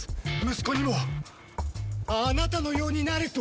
息子にもあなたのようになれと！